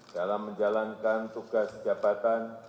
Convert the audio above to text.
dalam menjalankan tugas jabatan